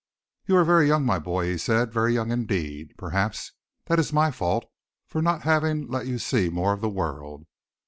"You are very young, my boy," he said, "very young indeed. Perhaps that is my fault for not having let you see more of the world.